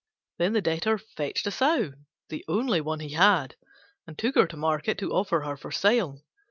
Then the Debtor fetched a Sow the only one he had and took her to market to offer her for sale.